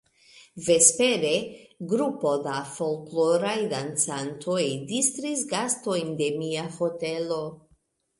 Vespere grupo da folkloraj dancantoj distris gastojn de mia hotelo.